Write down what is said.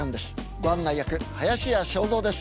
ご案内役林家正蔵です。